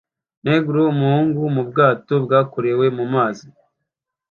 Negro Umuhungu mubwato bwakorewe mumazi